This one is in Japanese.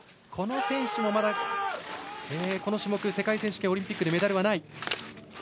この選手もまだこの種目世界選手権、オリンピックでメダルがない。